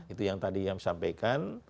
itu yang tadi yang disampaikan